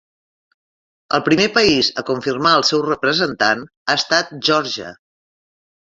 El primer país a confirmar el seu representant ha estat Geòrgia.